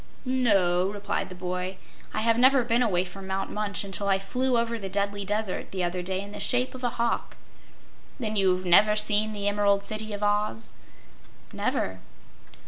"No," replied the boy, "I have never been away from Mount Munch until I flew over the Deadly Desert the other day in the shape of a hawk." "Then you've never seen the Emerald City of Oz?" "Never."